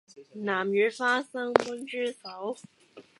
南乳花生炆豬手